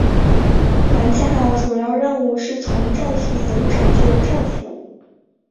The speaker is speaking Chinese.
玩家的主要任务是从战俘营拯救战俘。